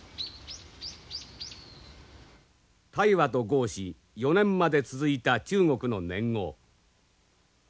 太和と号し４年まで続いた中国の年号。